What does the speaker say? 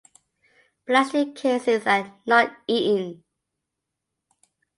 Plastic casings are not eaten.